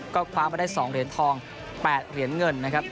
ก็ความมาได้๒เหรียญทอง๘เหรียญเงิน